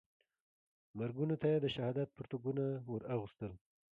مرګونو ته یې د شهادت پرتګونه وراغوستل.